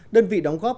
đơn vị đóng góp